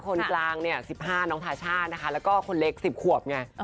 คนกลางเนี่ย๑๕น้องทาช่านะคะแล้วก็คนเล็ก๑๐ขวบไง